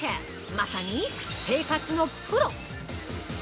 まさに生活のプロ！